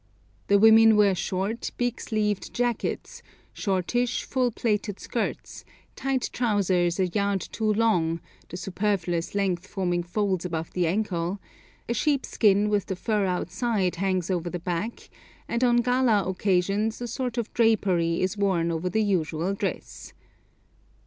The women wear short, big sleeved jackets, shortish, full plaited skirts, tight trousers a yard too long, the superfluous length forming folds above the ankle, a sheepskin with the fur outside hangs over the back, and on gala occasions a sort of drapery is worn over the usual dress.